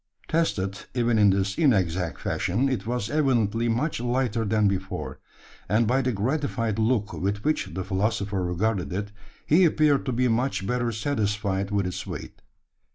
Tested, even in this inexact fashion, it was evidently much lighter than before; and, by the gratified look with which the philosopher regarded it, he appeared to be much better satisfied with its weight.